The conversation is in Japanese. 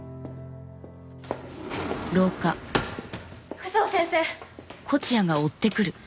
九条先生。